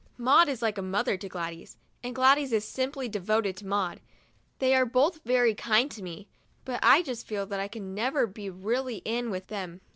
Maud is like a mother to Gladys, and Gladys is simply devoted to Maud. They are both very kind to me; but I just feel that I can never be really in it with them.